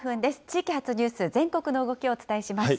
地域発ニュース、全国の動きをお伝えします。